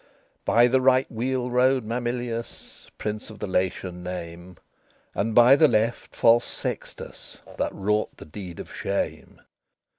By the right wheel rode Mamilius, Prince of the Latian name; And by the left false Sextus, That wrought the deed of shame.